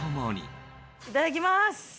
いただきます！